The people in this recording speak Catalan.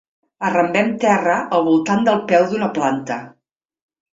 Arrambem terra al voltant del peu d'una planta.